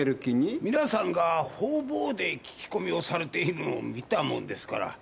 皆さんが方々で聞き込みをされているのを見たもんですから。